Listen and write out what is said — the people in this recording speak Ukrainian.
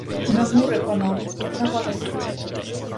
На мури, панове, на вали!